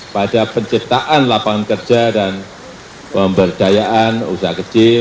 pada penciptaan lapangan kerja dan pemberdayaan usaha kecil